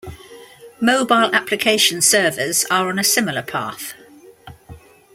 Mobile application servers are on a similar path.